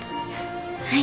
はい。